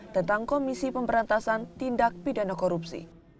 tentang komisi pemberantasan tindak pidana korupsi